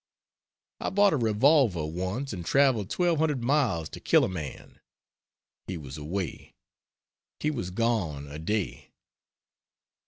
I bought a revolver once and travelled twelve hundred miles to kill a man. He was away. He was gone a day.